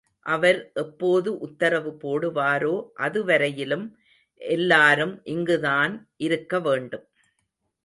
அவர் எப்போது உத்தரவு போடுவாரோ அதுவரையிலும் எல்லாரும் இங்குதான் இருக்க வேண்டும்.